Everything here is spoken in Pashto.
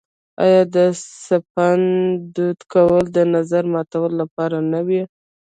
آیا د سپند دود کول د نظر ماتولو لپاره نه وي؟